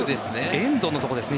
エンドのところですね。